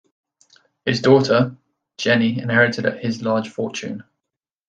His daughter, Jennie inherited his large fortune.